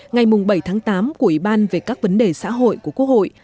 ngày bảy tháng tám của ủy ban về các vấn đề xã hội của quốc hội